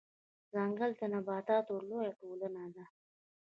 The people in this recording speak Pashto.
ځنګل د نباتاتو لويه ټولنه ده